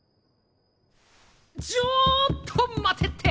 ちょっと待てって！